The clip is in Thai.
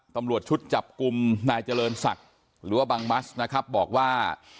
ตำรวจชุดจับกลุ่มนายเจริญศักดิ์หรือว่าบังมัสนะครับบอกว่า